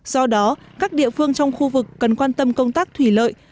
do đó các địa phương trong khu vực cần quan tâm công tác thủy lợi